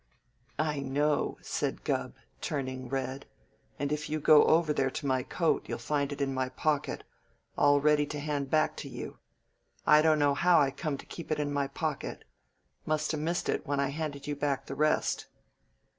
"I know," said Gubb, turning red. "And if you go over there to my coat, you'll find it in my pocket, all ready to hand back to you. I don't know how I come to keep it in my pocket. Must ha' missed it, when I handed you back the rest."